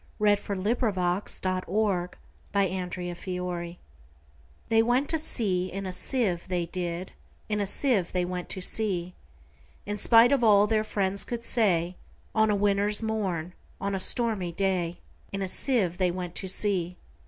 Edward Lear 1812–88 The Jumblies Lear Edw THEY went to sea in a sieve, they did; In a sieve they went to sea; In spite of all their friends could say, On a winter's morn, on a stormy day, In a sieve they went to sea.